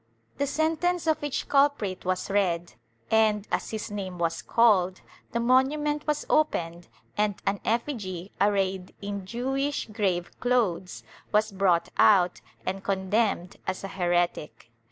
The sentence of each culprit was read and, as his name was called, the monument was opened and an effigy, arrayed in Jewish grave clothes, was brought out and condemned as a heretic.